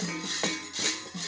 tidak ada yang memahaminya